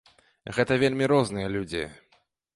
Гэта вельмі розныя людзі.